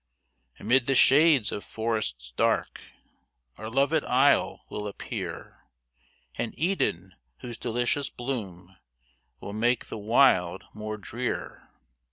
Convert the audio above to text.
Amid the shades of forests dark, Our loved isle will appear An Eden, whose delicious bloom Will make the wild more drear.